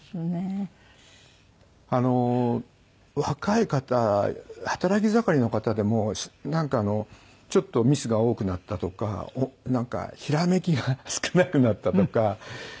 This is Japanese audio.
若い方働き盛りの方でもなんかちょっとミスが多くなったとかなんかひらめきが少なくなったとか。